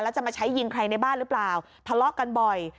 แล้วจะมาใช้ยิงใครในบ้านหรือเปล่าทะเลาะกันบ่อย